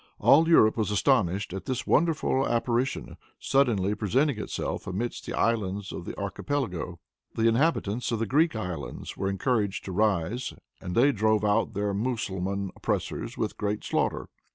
All Europe was astonished at this wonderful apparition suddenly presenting itself amidst the islands of the Archipelago. The inhabitants of the Greek islands were encouraged to rise, and they drove out their Mussulman oppressors with great slaughter.